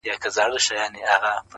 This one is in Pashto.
لکه د محشر مېدان